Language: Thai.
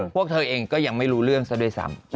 พวกเธอเองก็ยังไม่รู้เรื่องซะด้วยซ้ำ